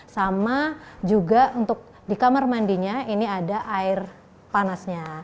sama juga untuk di kamar mandinya ini ada air panasnya